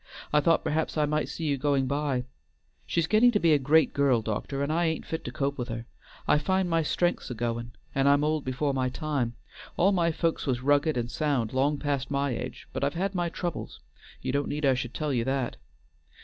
I thought perhaps I might see you going by. She's gettin' to be a great girl, doctor, and I ain't fit to cope with her. I find my strength's a goin', and I'm old before my time; all my folks was rugged and sound long past my age, but I've had my troubles you don't need I should tell you that!